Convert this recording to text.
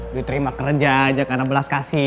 diterima kerja aja karena belas kasihan